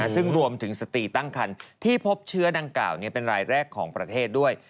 ซึ่งรวมถึงสตีตั้งคันที่พบเชื้อดังกล่าวเป็นรายแรกของประเทศด้วย